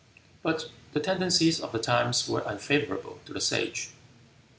But the tendencies of the times were unfavorable to the Sage.